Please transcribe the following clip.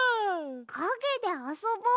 かげであそぼう？